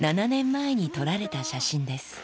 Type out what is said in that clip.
７年前に撮られた写真です。